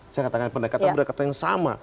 saya katakan pendekatan pendekatan yang sama